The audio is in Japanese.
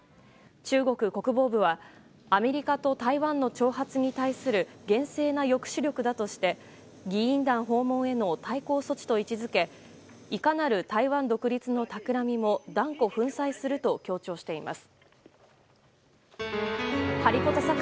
中国国防部はアメリカと台湾の挑発に対する厳正な抑止力だとして議員団訪問への対抗措置と位置づけいかなる台湾独立のたくらみも断固粉砕すると強調しています。